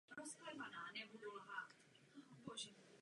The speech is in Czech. Do kaple návštěvníci vstupují ze třetího nádvoří.